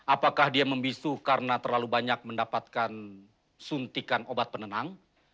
apakah dia membisu karena terlalu banyak mendapatkan suntikan obat penenang